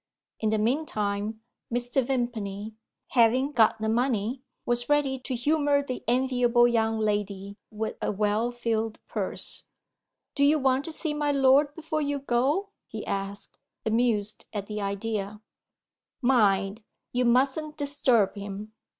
In the meantime, Mr. Vimpany (having got the money) was ready to humour the enviable young lady with a well filled purse. "Do you want to see my lord before you go?" he asked, amused at the idea. "Mind! you mustn't disturb him!